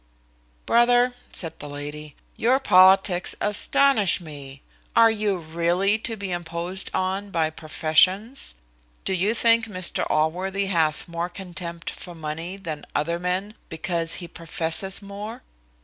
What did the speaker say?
"Brother," said the lady, "your politics astonish me. Are you really to be imposed on by professions? Do you think Mr Allworthy hath more contempt for money than other men because he professes more?